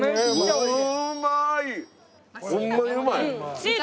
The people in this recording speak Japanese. ホンマにうまい！